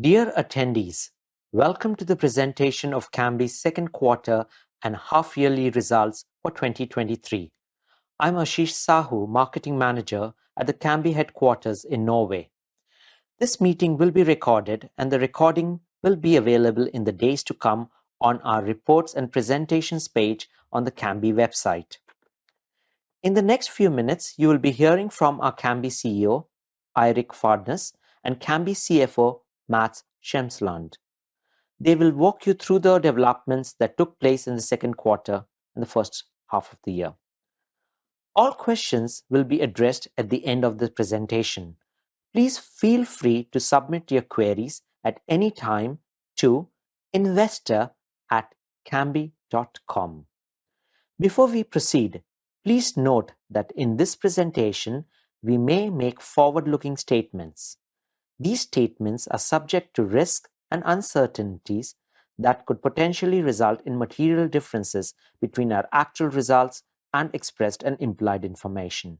Dear attendees, welcome to the presentation of Cambi's second quarter and half yearly results for 2023. I'm Ashish Sahu, Marketing Manager at the Cambi headquarters in Norway. This meeting will be recorded, and the recording will be available in the days to come on our reports and presentations page on the Cambi website. In the next few minutes, you will be hearing from our Cambi CEO, Eirik Fadnes, and Cambi CFO, Mats Tjemsland. They will walk you through the developments that took place in the second quarter and the first half of the year. All questions will be addressed at the end of the presentation. Please feel free to submit your queries at any time to investor@cambi.com. Before we proceed, please note that in this presentation, we may make forward-looking statements. These statements are subject to risks and uncertainties that could potentially result in material differences between our actual results and expressed and implied information.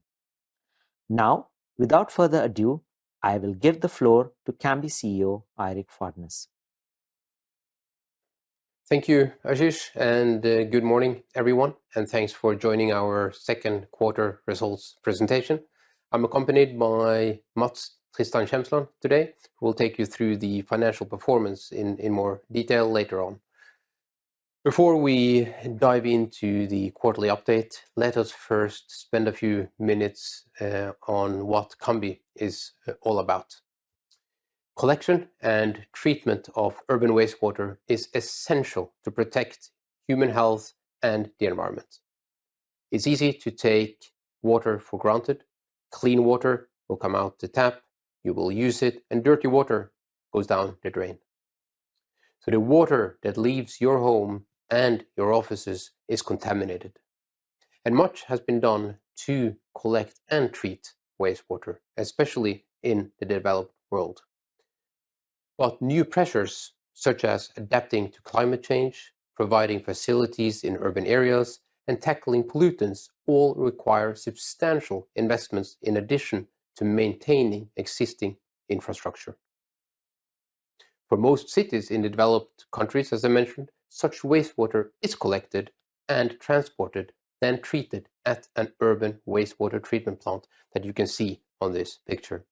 Without further ado, I will give the floor to Cambi CEO, Eirik Fadnes. Thank you, Ashish, good morning, everyone, and thanks for joining our second quarter results presentation. I'm accompanied by Mats Tristan Tjemsland today, who will take you through the financial performance in more detail later on. Before we dive into the quarterly update, let us first spend a few minutes on what Cambi is all about. Collection and treatment of urban wastewater is essential to protect human health and the environment. It's easy to take water for granted. Clean water will come out the tap, you will use it, and dirty water goes down the drain. The water that leaves your home and your offices is contaminated, and much has been done to collect and treat wastewater, especially in the developed world. New pressures, such as adapting to climate change, providing facilities in urban areas, and tackling pollutants, all require substantial investments in addition to maintaining existing infrastructure. For most cities in the developed countries, as I mentioned, such wastewater is collected and transported, then treated at an urban wastewater treatment plant that you can see on this picture.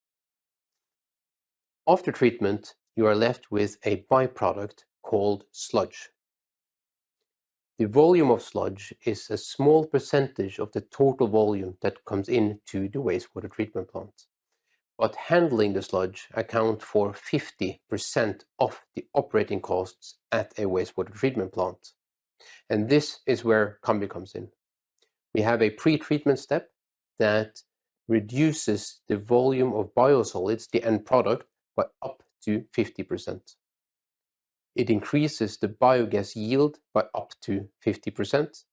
After treatment, you are left with a by-product called sludge. The volume of sludge is a small percentage of the total volume that comes into the wastewater treatment plant, but handling the sludge account for 50% of the operating costs at a wastewater treatment plant, and this is where Cambi comes in. We have a pre-treatment step that reduces the volume of biosolids, the end product, by up to 50%. It increases the biogas yield by up to 50%.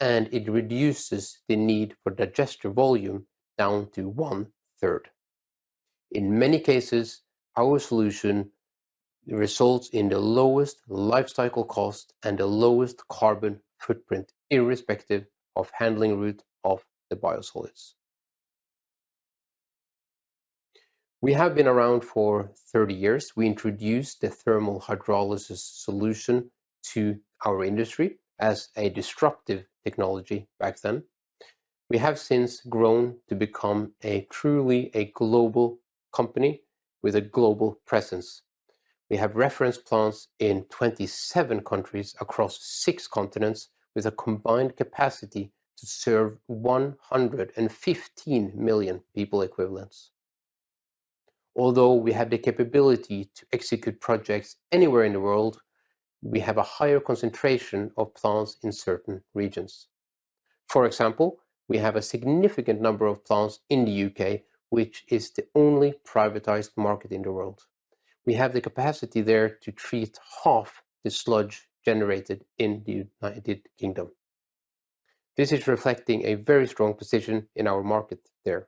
It reduces the need for digester volume down to one-third. In many cases, our solution results in the lowest life cycle cost and the lowest carbon footprint, irrespective of handling route of the biosolids. We have been around for 30 years. We introduced the thermal hydrolysis solution to our industry as a disruptive technology back then. We have since grown to become a truly a global company with a global presence. We have reference plants in 27 countries across 6 continents, with a combined capacity to serve 115 million people equivalents. Although we have the capability to execute projects anywhere in the world, we have a higher concentration of plants in certain regions. For example, we have a significant number of plants in the U.K., which is the only privatized market in the world. We have the capacity there to treat half the sludge generated in the United Kingdom. This is reflecting a very strong position in our market there.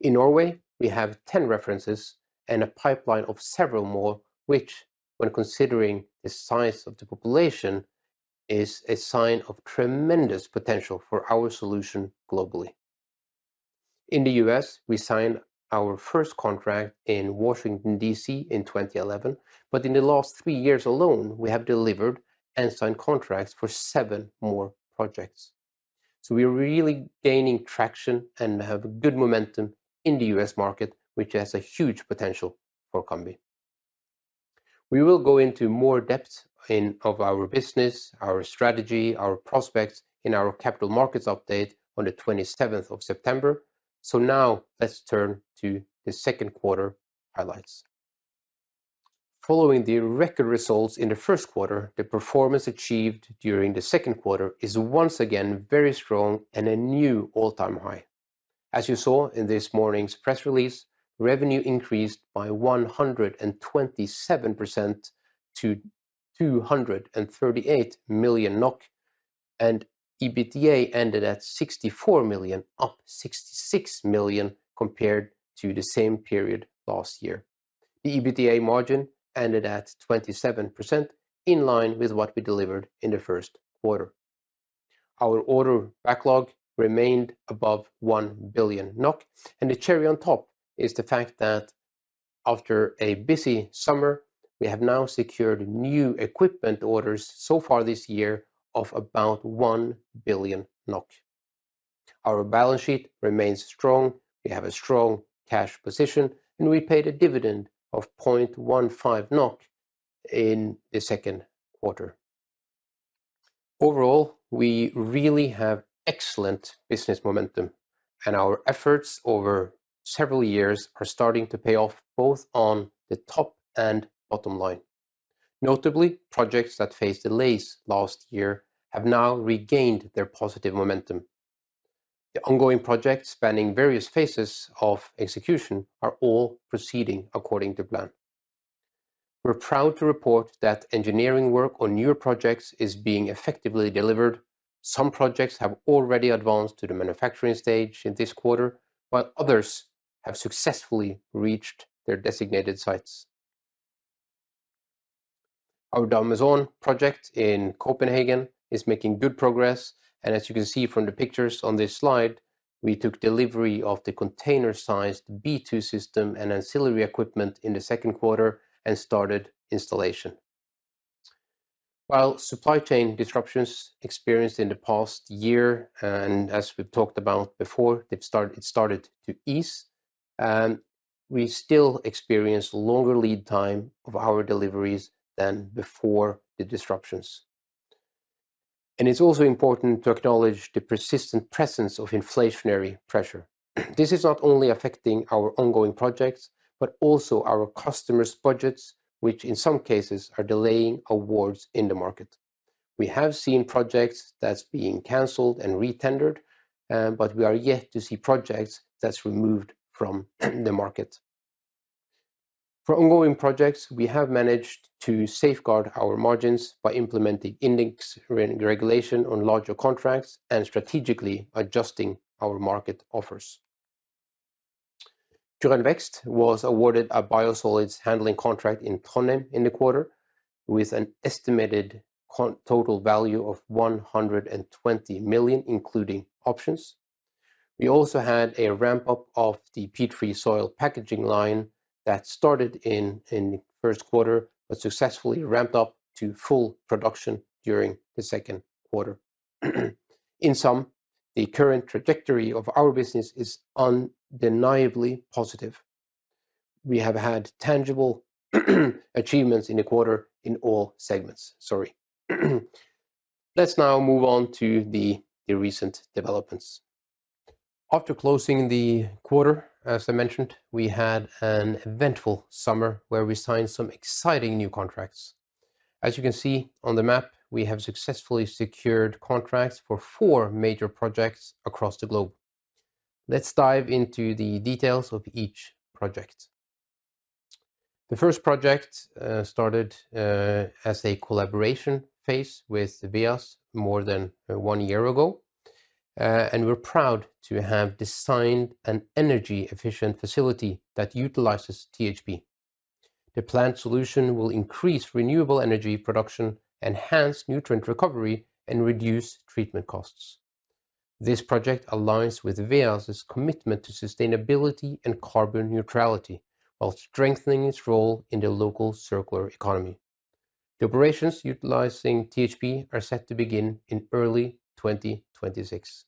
In Norway, we have 10 references and a pipeline of several more, which, when considering the size of the population, is a sign of tremendous potential for our solution globally. In the U.S., we signed our first contract in Washington, D.C. in 2011, but in the last 3 years alone, we have delivered and signed contracts for 7 more projects. We are really gaining traction and have good momentum in the U.S. market, which has a huge potential for Cambi. We will go into more depth in of our business, our strategy, our prospects in our capital markets update on the 27th of September. Now let's turn to the second quarter highlights. Following the record results in the first quarter, the performance achieved during the second quarter is once again very strong and a new all-time high. As you saw in this morning's press release, revenue increased by 127% to 238 million NOK. EBITDA ended at 64 million, up 66 million compared to the same period last year. The EBITDA margin ended at 27%, in line with what we delivered in the first quarter. Our order backlog remained above 1 billion NOK. The cherry on top is the fact that after a busy summer, we have now secured new equipment orders so far this year of about 1 billion NOK. Our balance sheet remains strong. We have a strong cash position. We paid a dividend of 0.15 NOK in the second quarter. Overall, we really have excellent business momentum, and our efforts over several years are starting to pay off, both on the top and bottom line. Notably, projects that faced delays last year have now regained their positive momentum. The ongoing projects, spanning various phases of execution, are all proceeding according to plan. We're proud to report that engineering work on newer projects is being effectively delivered. Some projects have already advanced to the manufacturing stage in this quarter, but others have successfully reached their designated sites. Our Damhusåen project in Copenhagen is making good progress, and as you can see from the pictures on this slide, we took delivery of the container-sized B2 system and ancillary equipment in the second quarter and started installation. While supply chain disruptions experienced in the past year, and as we've talked about before, it started to ease, and we still experience longer lead time of our deliveries than before the disruptions. It's also important to acknowledge the persistent presence of inflationary pressure. This is not only affecting our ongoing projects, but also our customers' budgets, which in some cases are delaying awards in the market. We have seen projects that's being canceled and re-tendered, but we are yet to see projects that's removed from the market. For ongoing projects, we have managed to safeguard our margins by implementing index regulation on larger contracts and strategically adjusting our market offers. Grønn Vekst was awarded a biosolids handling contract in Trondheim in the quarter, with an estimated total value of 120 million, including options. We also had a ramp-up of the peat-free soil packaging line that started in the first quarter, but successfully ramped up to full production during the second quarter. In sum, the current trajectory of our business is undeniably positive. We have had tangible achievements in the quarter in all segments. Sorry. Let's now move on to the recent developments. After closing the quarter, as I mentioned, we had an eventful summer where we signed some exciting new contracts. As you can see on the map, we have successfully secured contracts for four major projects across the globe. Let's dive into the details of each project. The first project started as a collaboration phase with Veolia more than one year ago. We're proud to have designed an energy-efficient facility that utilizes THP. The planned solution will increase renewable energy production, enhance nutrient recovery, and reduce treatment costs. This project aligns with Veolia's commitment to sustainability and carbon neutrality while strengthening its role in the local circular economy. The operations utilizing THP are set to begin in early 2026.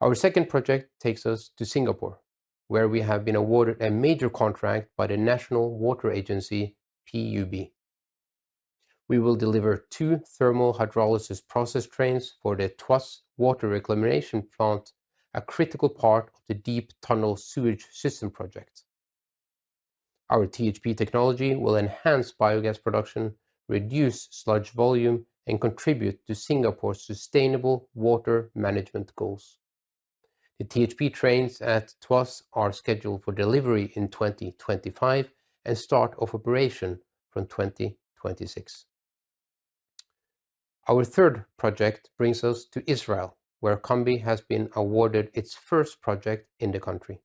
Our second project takes us to Singapore, where we have been awarded a major contract by the National Water Agency, PUB. We will deliver two thermal hydrolysis process trains for the Tuas Water Reclamation Plant, a critical part of the Deep Tunnel Sewerage System project. Our THP technology will enhance biogas production, reduce sludge volume, and contribute to Singapore's sustainable water management goals. The THP trains at Tuas are scheduled for delivery in 2025 and start of operation from 2026. Our third project brings us to Israel, where Cambi has been awarded its first project in the country.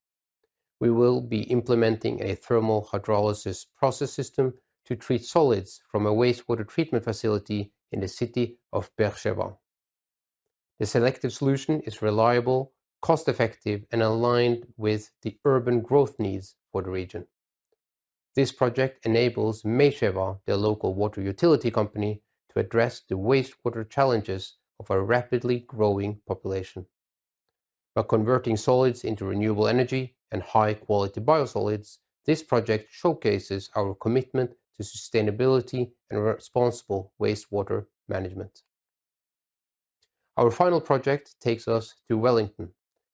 We will be implementing a thermal hydrolysis process system to treat solids from a wastewater treatment facility in the city of Beer Sheva. The selective solution is reliable, cost-effective, and aligned with the urban growth needs for the region. This project enables Mey Sheva, the local water utility company, to address the wastewater challenges of a rapidly growing population. By converting solids into renewable energy and high-quality biosolids, this project showcases our commitment to sustainability and responsible wastewater management. Our final project takes us to Wellington,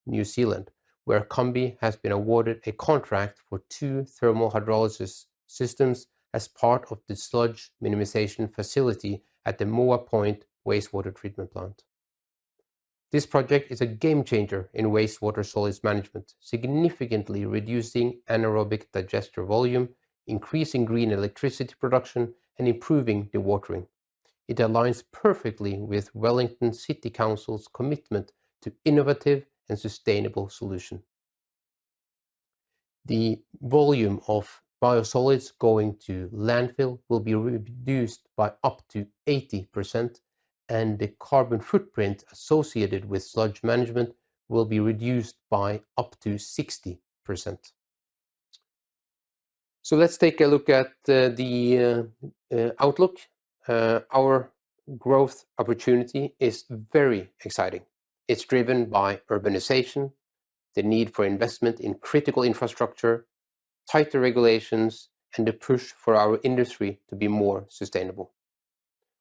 New Zealand, where Cambi has been awarded a contract for two thermal hydrolysis systems as part of the sludge minimization facility at the Moa Point Wastewater Treatment Plant. This project is a game changer in wastewater solids management, significantly reducing anaerobic digester volume, increasing green electricity production, and improving the watering. It aligns perfectly with Wellington City Council's commitment to innovative and sustainable solution.... The volume of biosolids going to landfill will be reduced by up to 80%, and the carbon footprint associated with sludge management will be reduced by up to 60%. Let's take a look at the outlook. Our growth opportunity is very exciting. It's driven by urbanization, the need for investment in critical infrastructure, tighter regulations, and the push for our industry to be more sustainable.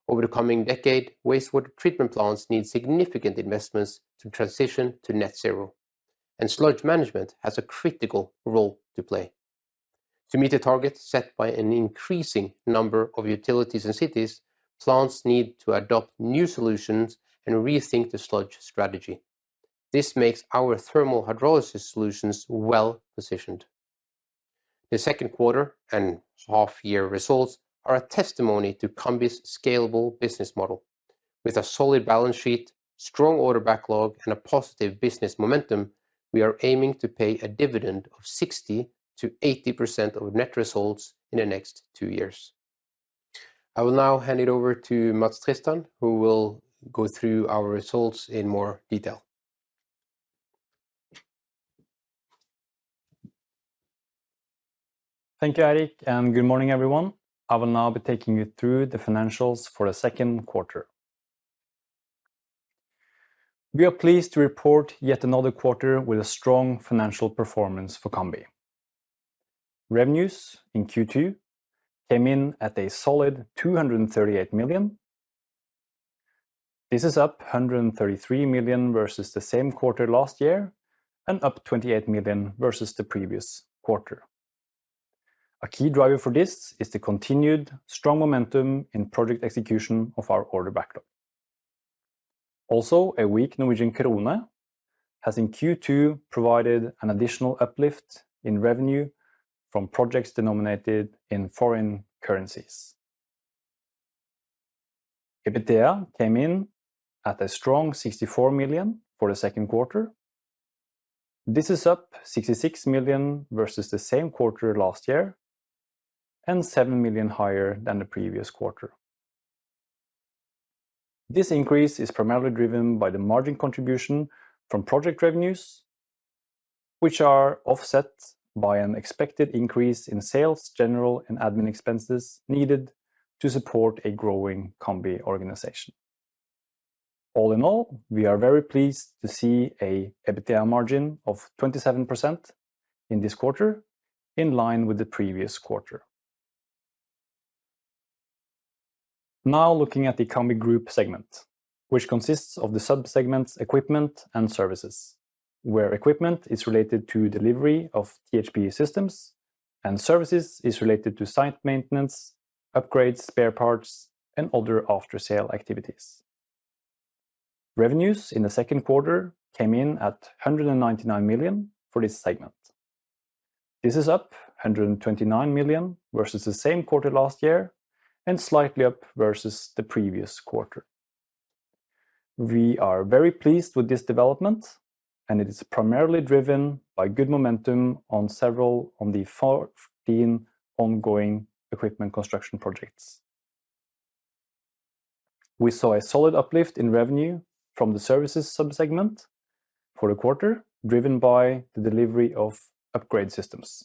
Over the coming decade, wastewater treatment plants need significant investments to transition to net zero, and sludge management has a critical role to play. To meet the targets set by an increasing number of utilities and cities, plants need to adopt new solutions and rethink the sludge strategy. This makes our thermal hydrolysis solutions well-positioned. The second quarter and half year results are a testimony to Cambi's scalable business model. With a solid balance sheet, strong order backlog, and a positive business momentum, we are aiming to pay a dividend of 60%-80% of net results in the next two years. I will now hand it over to Mats Tristan, who will go through our results in more detail. Thank you, Eirik. Good morning, everyone. I will now be taking you through the financials for the second quarter. We are pleased to report yet another quarter with a strong financial performance for Cambi. Revenues in Q2 came in at a solid 238 million. This is up 133 million versus the same quarter last year, and up 28 million versus the previous quarter. A key driver for this is the continued strong momentum in project execution of our order backlog. Also, a weak Norwegian krone has in Q2 provided an additional uplift in revenue from projects denominated in foreign currencies. EBITDA came in at a strong 64 million for the second quarter. This is up 66 million versus the same quarter last year and 7 million higher than the previous quarter. This increase is primarily driven by the margin contribution from project revenues, which are offset by an expected increase in sales, general, and admin expenses needed to support a growing Cambi organization. All in all, we are very pleased to see a EBITDA margin of 27% in this quarter, in line with the previous quarter. Looking at the Cambi Group segment, which consists of the sub-segments equipment and services, where equipment is related to delivery of THP systems, and services is related to site maintenance, upgrades, spare parts, and other after-sale activities. Revenues in the second quarter came in at 199 million for this segment. This is up 129 million versus the same quarter last year and slightly up versus the previous quarter. We are very pleased with this development, and it is primarily driven by good momentum on several on the 14 ongoing equipment construction projects. We saw a solid uplift in revenue from the services sub-segment for the quarter, driven by the delivery of upgrade systems.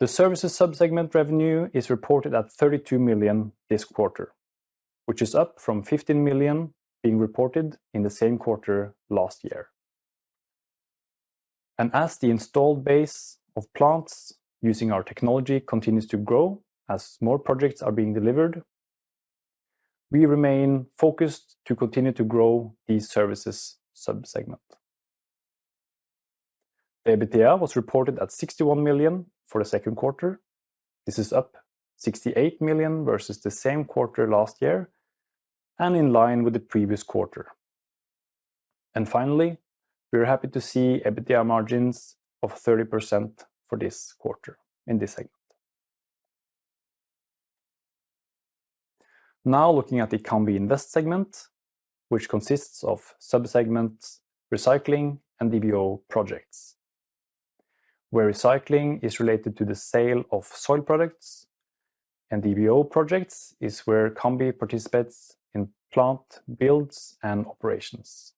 The services sub-segment revenue is reported at 32 million this quarter, which is up from 15 million being reported in the same quarter last year. As the installed base of plants using our technology continues to grow, as more projects are being delivered, we remain focused to continue to grow the services sub-segment. EBITDA was reported at 61 million for the second quarter. This is up 68 million versus the same quarter last year and in line with the previous quarter. Finally, we are happy to see EBITDA margins of 30% for this quarter in this segment. Looking at the Cambi Invest segment, which consists of sub-segments, recycling, and DBO projects, where recycling is related to the sale of soil products and DBO projects is where Cambi participates in plant builds and operations.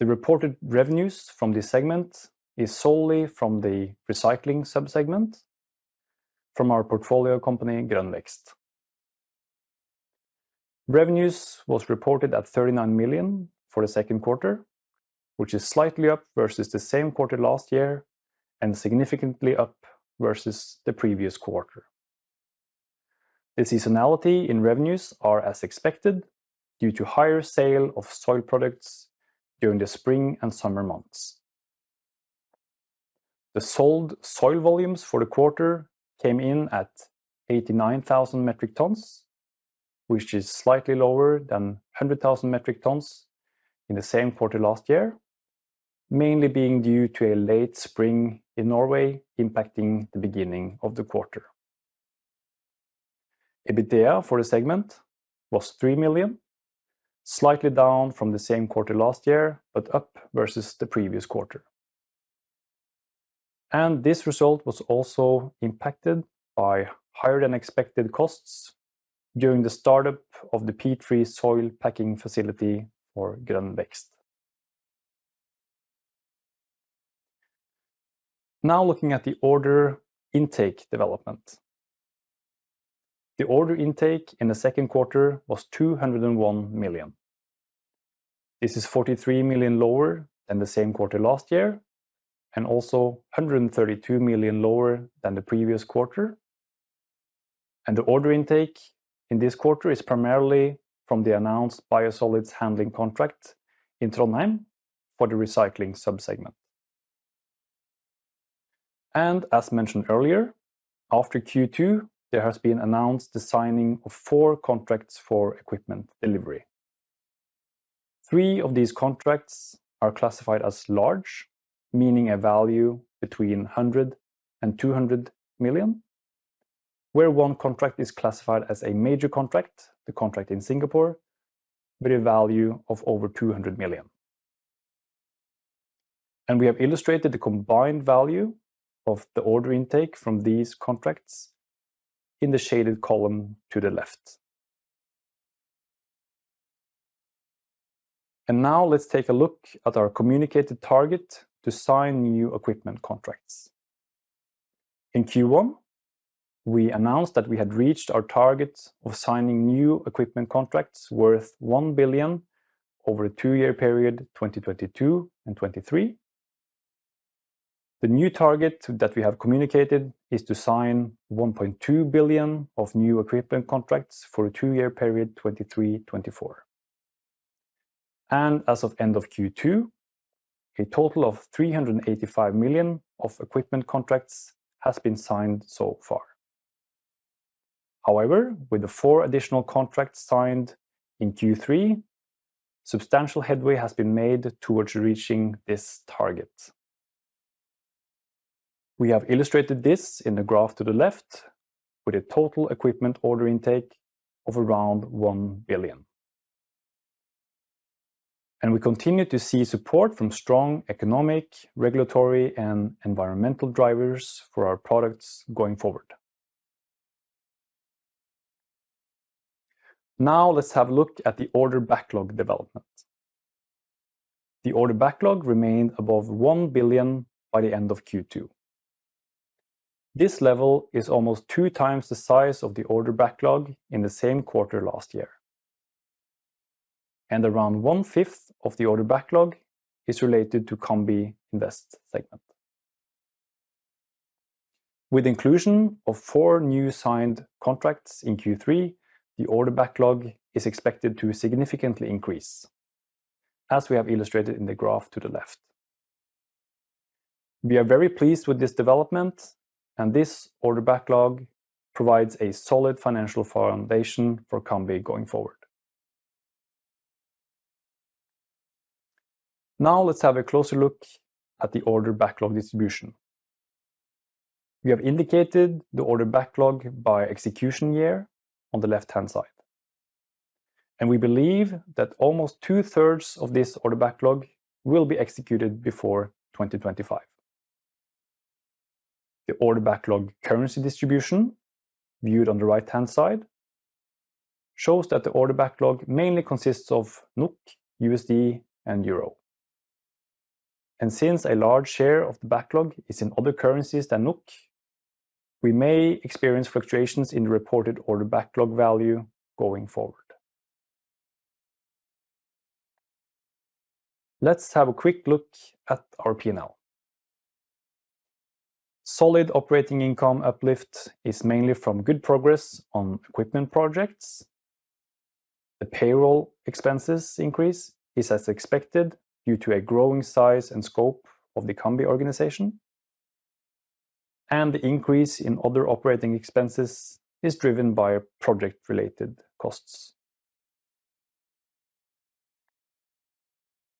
The reported revenues from this segment is solely from the recycling sub-segment from our portfolio company, Grønn Vekst. Revenues was reported at 39 million for the second quarter, which is slightly up versus the same quarter last year and significantly up versus the previous quarter. The seasonality in revenues are as expected, due to higher sale of soil products during the spring and summer months. The sold soil volumes for the quarter came in at 89,000 metric tons, which is slightly lower than 100,000 metric tons in the same quarter last year, mainly being due to a late spring in Norway, impacting the beginning of the quarter. EBITDA for the segment was 3 million, slightly down from the same quarter last year, but up versus the previous quarter. This result was also impacted by higher-than-expected costs during the startup of the peat-free soil packing facility for Grønn Vekst. Now, looking at the order intake development. The order intake in the second quarter was 201 million. This is 43 million lower than the same quarter last year, and also 132 million lower than the previous quarter. The order intake in this quarter is primarily from the announced biosolids handling contract in Trondheim for the recycling sub-segment. As mentioned earlier, after Q2, there has been announced the signing of four contracts for equipment delivery. Three of these contracts are classified as large, meaning a value between 100 million-200 million, where one contract is classified as a major contract, the contract in Singapore, with a value of over 200 million. We have illustrated the combined value of the order intake from these contracts in the shaded column to the left. Now let's take a look at our communicated target to sign new equipment contracts. In Q1, we announced that we had reached our target of signing new equipment contracts worth 1 billion over a two-year period, 2022 and 2023. The new target that we have communicated is to sign 1.2 billion of new equipment contracts for a two-year period, 2023, 2024. As of end of Q2, a total of 385 million of equipment contracts has been signed so far. However, with the four additional contracts signed in Q3, substantial headway has been made towards reaching this target. We have illustrated this in the graph to the left with a total equipment order intake of around 1 billion. We continue to see support from strong economic, regulatory, and environmental drivers for our products going forward. Now, let's have a look at the order backlog development. The order backlog remained above 1 billion by the end of Q2. This level is almost two times the size of the order backlog in the same quarter last year, and around one-fifth of the order backlog is related to Cambi Invest segment. With inclusion of four new signed contracts in Q3, the order backlog is expected to significantly increase, as we have illustrated in the graph to the left. We are very pleased with this development, this order backlog provides a solid financial foundation for Cambi going forward. Now, let's have a closer look at the order backlog distribution. We have indicated the order backlog by execution year on the left-hand side, we believe that almost two-thirds of this order backlog will be executed before 2025. The order backlog currency distribution, viewed on the right-hand side, shows that the order backlog mainly consists of NOK, USD, and Euro. Since a large share of the backlog is in other currencies than NOK, we may experience fluctuations in the reported order backlog value going forward. Let's have a quick look at our P&L. Solid operating income uplift is mainly from good progress on equipment projects. The payroll expenses increase is as expected, due to a growing size and scope of the Cambi organization. The increase in other operating expenses is driven by project-related costs.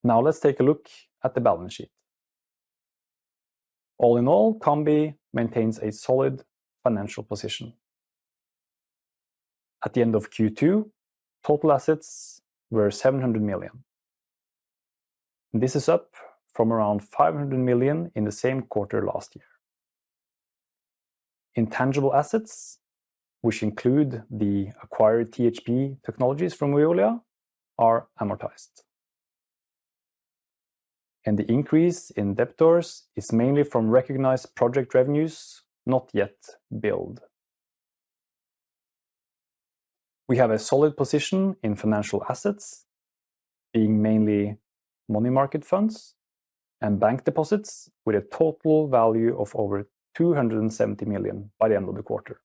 Now, let's take a look at the balance sheet. All in all, Cambi maintains a solid financial position. At the end of Q2, total assets were 700 million. This is up from around 500 million in the same quarter last year. Intangible assets, which include the acquired THP technologies from Veolia, are amortized. The increase in debtors is mainly from recognized project revenues, not yet billed. We have a solid position in financial assets, being mainly money market funds and bank deposits, with a total value of over 270 million by the end of the quarter.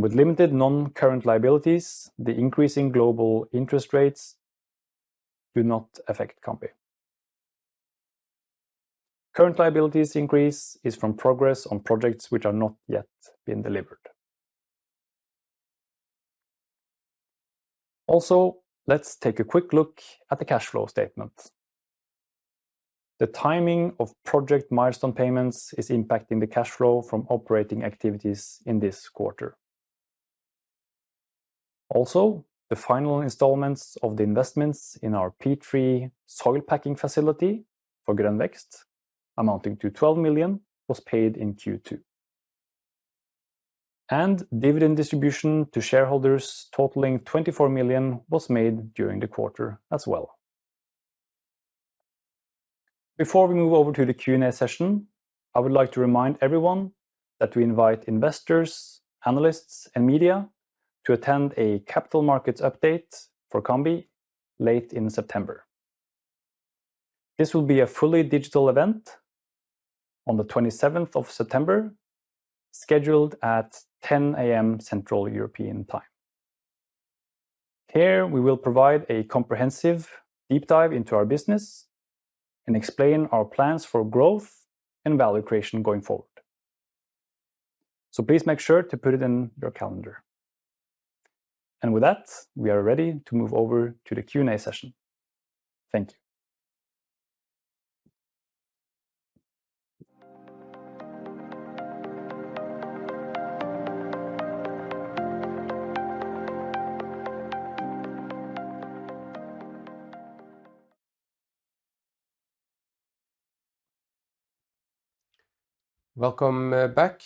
With limited non-current liabilities, the increase in global interest rates do not affect Cambi. Current liabilities increase is from progress on projects which are not yet been delivered. Also, let's take a quick look at the cash flow statement. The timing of project milestone payments is impacting the cash flow from operating activities in this quarter. Also, the final installments of the investments in our peat-free soil packing facility for Grønn Vekst, amounting to 12 million, was paid in Q2. Dividend distribution to shareholders totaling 24 million was made during the quarter as well. Before we move over to the Q&A session, I would like to remind everyone that we invite investors, analysts, and media to attend a capital markets update for Cambi late in September. This will be a fully digital event on September 27, scheduled at 10:00 A.M. Central European Time. Here, we will provide a comprehensive deep dive into our business and explain our plans for growth and value creation going forward. Please make sure to put it in your calendar. With that, we are ready to move over to the Q&A session. Thank you. Welcome, back.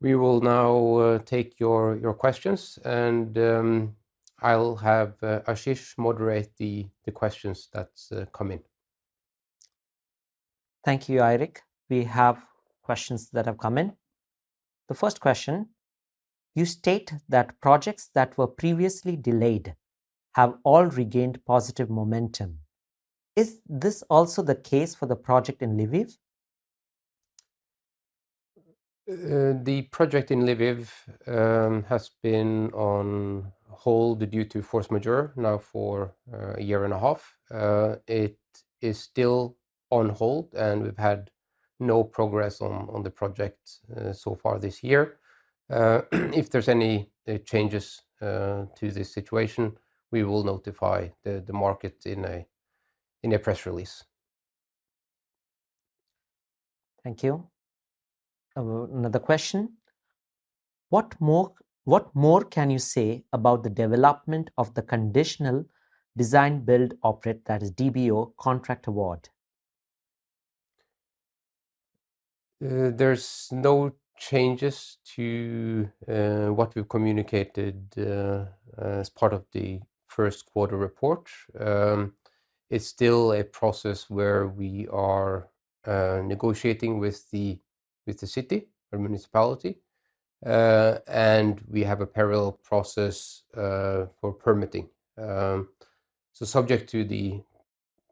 We will now take your questions, and I'll have Ashish moderate the questions that's come in. Thank you, Eirik. We have questions that have come in. The first question: You state that projects that were previously delayed have all regained positive momentum. Is this also the case for the project in Lviv? The project in Lviv has been on hold due to force majeure now for a year and a half. It is still on hold, and we've had no progress on the project so far this year. If there's any changes to this situation, we will notify the market in a press release. Thank you. Another question: What more, what more can you say about the development of the conditional design-build-operate, that is DBO, contract award? There's no changes to what we've communicated as part of the first quarter report. It's still a process where we are negotiating with the city or municipality, and we have a parallel process for permitting. Subject to the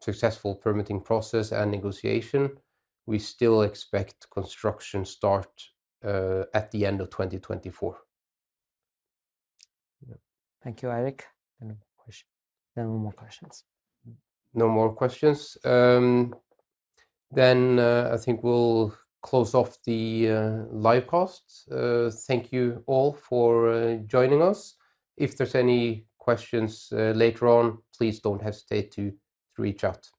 successful permitting process and negotiation, we still expect construction start at the end of 2024. Thank you, Eirik. Any more question-. There are no more questions. No more questions? Then, I think we'll close off the live cast. Thank you all for joining us. If there's any questions later on, please don't hesitate to, to reach out.